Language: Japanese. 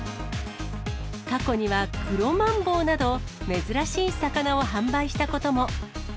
過去にはクロマンボウなど、珍しい魚を販売したことも。